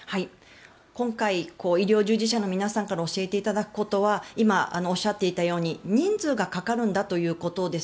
今回医療従事者の皆さんから教えていただくことは今、おっしゃっていたように人数がかかるんだということです。